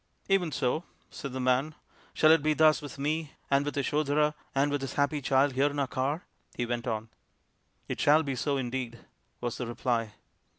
" Even so," said the man, " Shall it be thus with me, and with Yasodhara, and with this happy child here in my car ?" he went on. " It shall be so indeed," was the reply.